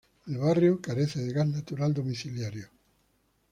El barrio carece de gas natural domiciliario.